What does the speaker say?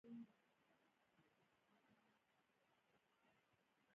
که یې دماغ درلودای او که یې دماغ کار کولای.